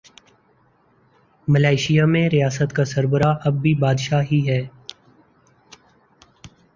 Malaysia میں ریاست کا سربراہ اب بھی بادشاہ ہی ہے۔